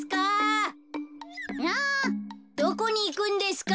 どこにいくんですか？